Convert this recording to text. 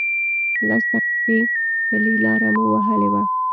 لس دقیقې پلی لاره مو وهلې وه.